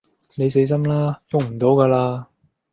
你死心啦，逳唔到㗎喇